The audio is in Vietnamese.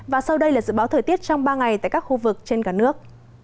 và sau đây là dự báo thời tiết trong ba ngày tại các khu vực trên cả nước